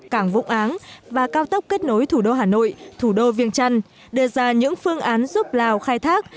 cảng vũng áng và cao tốc kết nối thủ đô hà nội thủ đô viêng trăn đưa ra những phương án giúp lào khai thác